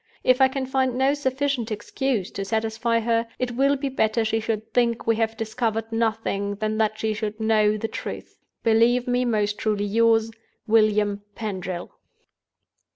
If I can find no sufficient excuse to satisfy her, it will be better she should think we have discovered nothing than that she should know the truth. "Believe me most truly yours, "WILLIAM PENDRIL."